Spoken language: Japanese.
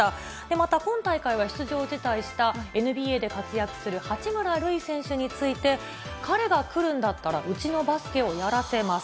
また今大会は出場を辞退したＮＢＡで活躍する八村塁選手について、彼が来るんだったら、うちのバスケをやらせます。